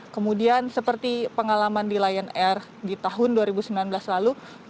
kemudian seperti pengalaman di lion air di tahun dua ribu sembilan belas lalu